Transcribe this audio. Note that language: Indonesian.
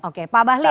oke pak bahlil